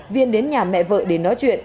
viên đến nhà mẹ vợ để nói chuyện